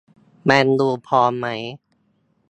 แมนยู พร้อมไหม